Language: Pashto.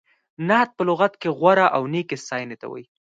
نعت په لغت کې غوره او نېکې ستایینې ته وایي.